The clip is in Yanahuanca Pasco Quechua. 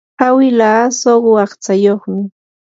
awilaa suqu aqtsayuqmi.